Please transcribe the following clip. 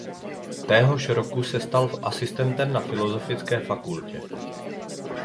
Téhož roku se stal asistentem na filozofické fakultě.